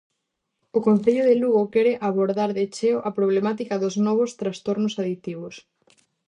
O Concello de Lugo quere abordar de cheo a problemática dos novos trastornos aditivos.